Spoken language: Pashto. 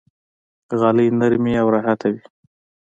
غالۍ نرمې او راحته وي.